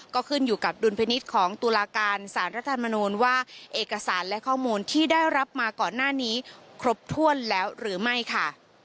ก็ขึ้นอยู่กับดุลพินิษฐ์ของตุลาการสารรัฐธรรมนูลว่าเอกสารและข้อมูลที่ได้รับมาก่อนหน้านี้ครบถ้วนแล้วหรือไม่ค่ะ